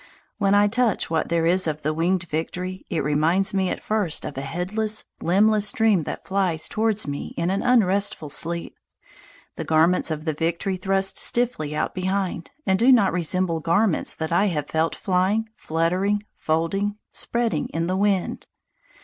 When I touch what there is of the Winged Victory, it reminds me at first of a headless, limbless dream that flies towards me in an unrestful sleep. The garments of the Victory thrust stiffly out behind, and do not resemble garments that I have felt flying, fluttering, folding, spreading in the wind.